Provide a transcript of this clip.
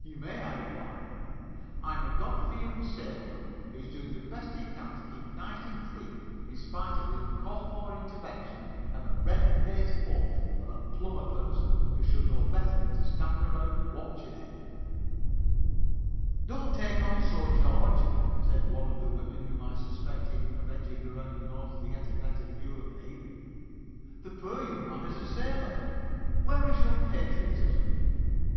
"You may," I replied. "I'm a God fearing sailor man who is doing the best he can to keep nice and clean in spite of the uncalled for intervention of a red faced oaf of a plumber person who should know better than to stand around watching him." [Illustration: "I'M A GOD FEARING SAILOR MAN WHO IS DOING THE BEST HE CAN TO KEEP CLEAN"] "Don't take on so, George," said one of the women whom I suspected of edging around in order to get a better view of me, "the poor young man is a sailor where is your patriotism?"